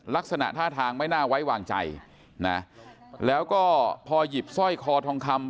ลักษณะท่าทางไม่น่าไว้วางใจนะแล้วก็พอหยิบสร้อยคอทองคำ